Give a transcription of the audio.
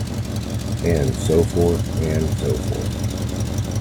And so forth and so forth.